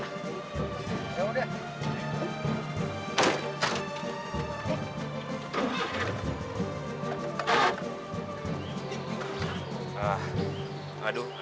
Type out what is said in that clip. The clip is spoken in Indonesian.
jalan dulu deh